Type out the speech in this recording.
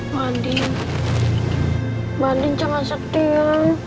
mbak andin mbak andin jangan sedih ya